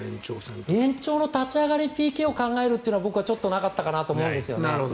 延長の立ち上がりＰＫを考えるというのは僕はなかったかなと思うんですよね。